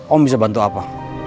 om bisa bantu apa